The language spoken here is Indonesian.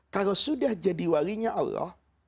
kalau sudah jadi walinya allah